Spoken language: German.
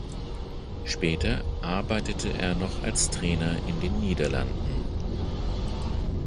Später arbeitete er noch als Trainer in den Niederlanden.